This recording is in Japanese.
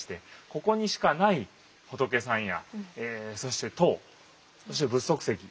ここにしかない仏さんやそして塔そして仏足石水煙